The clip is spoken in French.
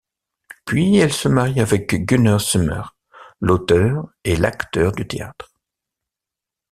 Puis, elle se marie avec Güner Sümer, l’auteur et l’acteur du théâtre.